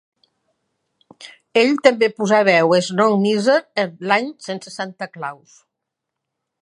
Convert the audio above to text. Ell també posà veu a Snow Miser en "L'any sense Santa Claus".